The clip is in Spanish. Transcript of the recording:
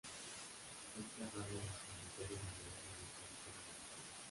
Fue enterrado en el Cementerio Memorial Militar Federal.